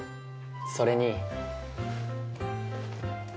それに。